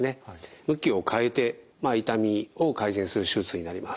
向きを変えて痛みを改善する手術になります。